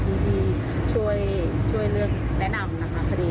ที่ช่วยเลือกแนะนำคดี